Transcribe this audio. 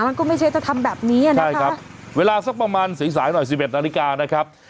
มันก็ไม่ใช่จะทำแบบนี้อ่ะนะใช่ครับเวลาสักประมาณสายสายหน่อยสิบเอ็ดนาฬิกานะครับ